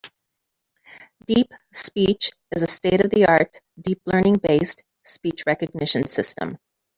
DeepSpeech is a state-of-the-art deep-learning-based speech recognition system.